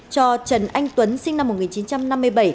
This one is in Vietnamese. cho trần anh tuấn sinh năm một nghìn chín trăm năm mươi bảy